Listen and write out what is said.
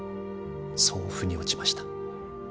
そう腑に落ちました。